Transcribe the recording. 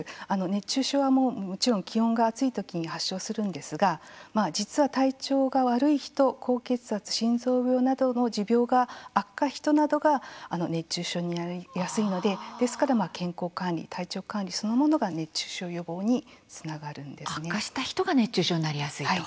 熱中症はもちろん気温が暑いときに発症するんですが実は、体調が悪い人高血圧、心臓病などの持病が悪化した人などが熱中症になりやすいのでですから健康管理、体調管理そのものが熱中症の予防に悪化した人が熱中症になりやすいと。